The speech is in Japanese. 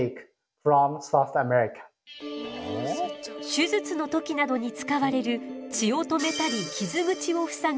手術の時などに使われる血を止めたり傷口をふさぐ組織接着剤。